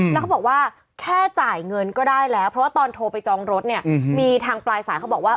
แล้วเขาบอกว่าแค่จ่ายเงินก็ได้แล้วเพราะว่าตอนโทรไปจองรถเนี่ยมีทางปลายสายเขาบอกว่า